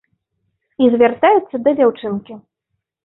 І звяртаецца да дзяўчынкі.